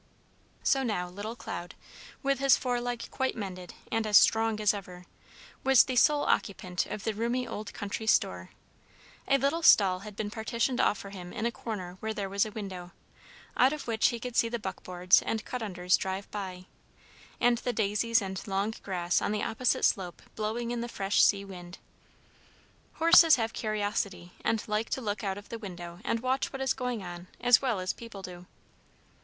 So now little Cloud, with his foreleg quite mended and as strong as ever, was the sole occupant of the roomy old country store. A little stall had been partitioned off for him in a corner where there was a window, out of which he could see the buckboards and cut unders drive by, and the daisies and long grass on the opposite slope blowing in the fresh sea wind. Horses have curiosity, and like to look out of the window and watch what is going on as well as people do.